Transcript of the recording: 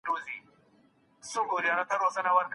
هغه تل له ډاره اوږده لاره د اتڼ لپاره وهي.